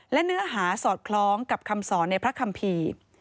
และเนื้อหาสอดคล้องกับคำสอนในพระคัมภีร์